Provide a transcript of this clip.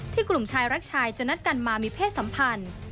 กลุ่มชายรักชายจะนัดกันมามีเพศสัมพันธ์